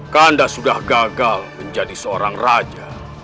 kanda sudah gagal menjadi seorang raja